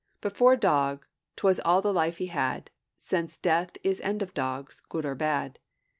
But for a dog, 't was all the life he had, Since death is end of dogs, or good or bad.